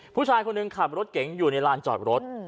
ผู้ชายคนหนึ่งขับรถเก๋งอยู่ในลานจอดรถ